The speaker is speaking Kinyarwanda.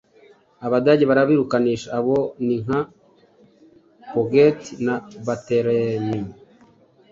Abadage barabirukanisha: abo ni nka Pouget na Barthelemy.